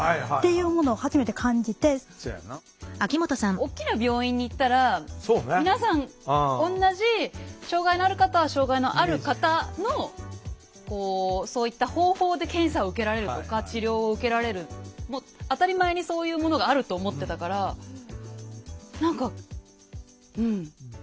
大きな病院に行ったら皆さん同じ障害のある方は障害のある方のそういった方法で検査を受けられるとか治療を受けられるもう当たり前にそういうものがあると思ってたから何かうん。